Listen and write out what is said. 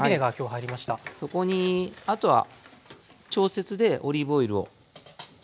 そこにあとは調節でオリーブオイルを。